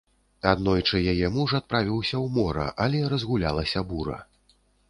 Аднойчы яе муж адправіўся ў мора, але разгулялася бура.